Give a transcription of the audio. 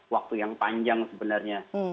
waktu yang panjang sebenarnya